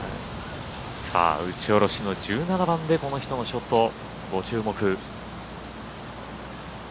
打ち下ろしの１７番でこの人のショット、ご注目。